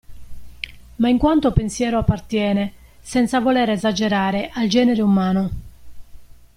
Ma in quanto pensiero appartiene, senza voler esagerare, al genere umano.